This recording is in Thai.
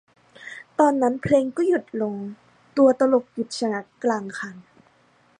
ตอนนั้นเพลงก็หยุดลง ตัวตลกหยุดชะงักกลางคัน